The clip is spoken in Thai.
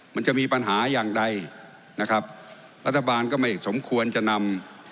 มันจะมีปัญหาอย่างใดนะครับรัฐบาลก็ไม่สมควรจะนำ